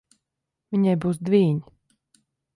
Viņai būs dvīņi.